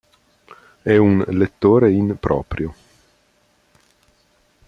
È un lettore “in proprio”.